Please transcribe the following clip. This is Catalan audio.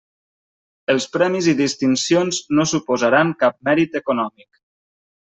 Els premis i distincions no suposaran cap mèrit econòmic.